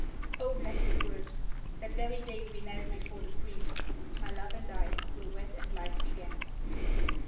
O, blessed words! That very day we knelt before the priest, My love and I, were wed, and life began.